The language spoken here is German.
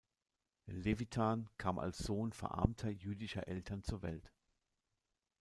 Lewitan kam als Sohn verarmter jüdischer Eltern zur Welt.